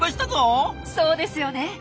そうですよね。